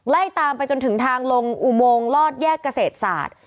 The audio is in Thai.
ไล่ตามไปจนถึงทางลงอุโมงลอดแยกเกษตรศาสตร์